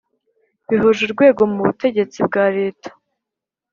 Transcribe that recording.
bihuje urwego mu butegetsi bwa leta.